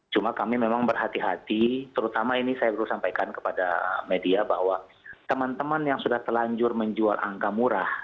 cuma kami memang berhati hati terutama ini saya perlu sampaikan kepada media bahwa teman teman yang sudah telanjur menjual angka murah